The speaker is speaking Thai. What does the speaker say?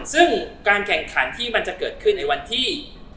ซึ่งการแข่งขันที่มันจะเกิดขึ้นในวันที่